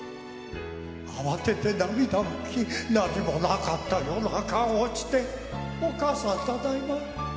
慌てて涙を拭き何もなかったような顔をして、お母さんただいま。